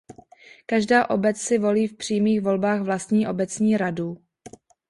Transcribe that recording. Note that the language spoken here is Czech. Každá obec si volí v přímých volbách vlastní obecní radu.